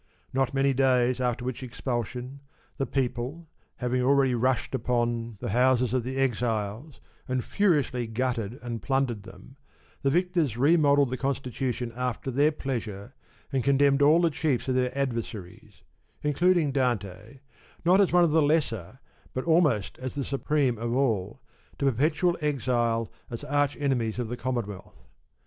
Not many days after which expulsion, the people having already rushed upon the houses of the exiles and furiously gutted and plundered them, the victors remodelled the constitution after their pleasure and condemned all the chief of their adversaries (including Dante, not as one of the lesser but almost as the supreme of all), to perpetual exile as arch enemies of the Commonwealth.